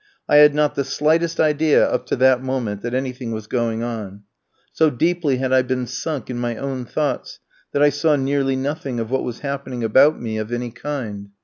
I had not the slightest idea, up to that moment, that anything was going on. So deeply had I been sunk in my own thoughts, that I saw nearly nothing of what was happening about me of any kind.